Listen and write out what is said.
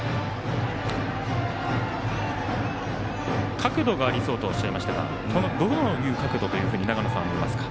角度がありそうとおっしゃいましたがどの角度というふうに長野さんは見ますか。